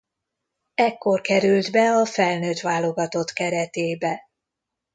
Ekkor került be a felnőtt válogatott keretébe.